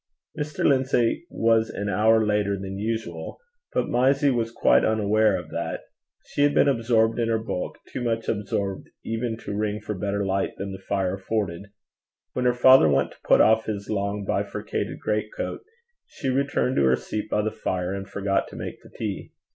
Mr. Lindsay was an hour later than usual, but Mysie was quite unaware of that: she had been absorbed in her book, too much absorbed even to ring for better light than the fire afforded. When her father went to put off his long, bifurcated greatcoat, she returned to her seat by the fire, and forgot to make the tea.